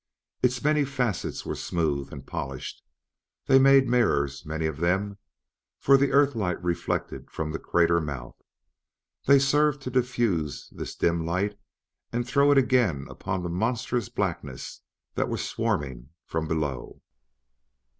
Its many facets were smooth and polished; they made mirrors, many of them, for the earthlight reflected from the crater mouth. They served to diffuse this dim light and throw it again upon the monstrous blacknesses that were swarming from below.